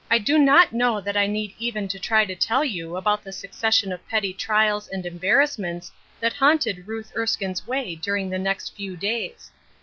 DO not know that I need even try to tell you about the succession of petty trialw and embarrassments that haunted Ruth Erskine's way during the next few days.